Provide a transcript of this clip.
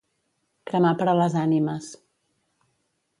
Cremar per a les ànimes.